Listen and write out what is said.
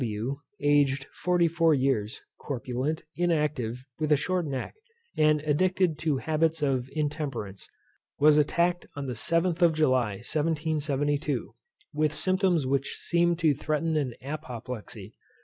W , aged forty four years, corpulent, inactive, with a short neck, and addicted to habits of intemperance, was attacked on the 7th of July 1772, with symptoms which seemed to threaten an apoplexy.